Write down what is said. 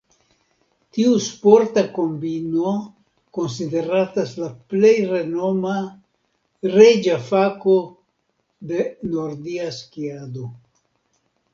Tiu sporta kombino konsideratas la plej renoma, "reĝa fako" de nordia skiado.